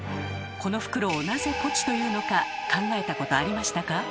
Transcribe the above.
この袋をなぜ「ぽち」と言うのか考えたことありましたか？